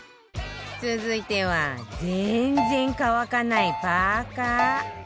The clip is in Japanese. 続いては全然乾かないパーカー